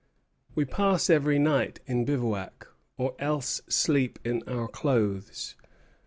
"We pass every night in bivouac, or else sleep in our clothes.